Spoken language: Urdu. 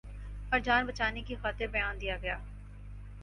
اورجان بچانے کی خاطر بیان دیاگیا۔